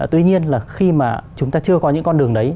tuy nhiên là khi mà chúng ta chưa có những con đường đấy